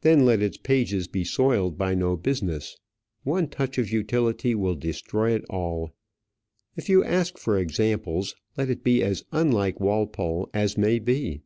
Then let its page be soiled by no business; one touch of utility will destroy it all. If you ask for examples, let it be as unlike Walpole as may be.